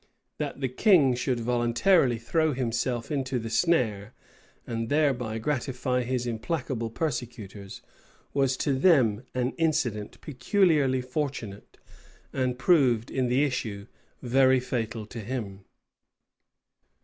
That the king should voluntarily throw himself into the snare, and thereby gratify his implacable persecutors, was to them an incident peculiarly fortunate, and proved in the issue very fatal to him.